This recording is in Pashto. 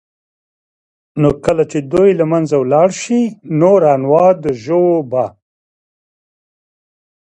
نو كله چي دوى له منځه ولاړ شي نور انواع د ژوو به